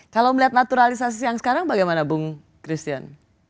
kalau melihat naturalisasi yang sekarang bagaimana bung christian